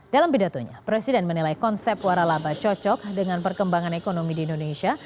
dalam pidatonya presiden menilai konsep waralaba cocok dengan perkembangan ekonomi di indonesia